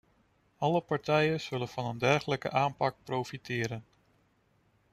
Alle partijen zullen van een dergelijke aanpak profiteren.